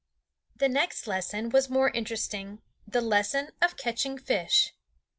The next lesson was more interesting, the lesson of catching fish.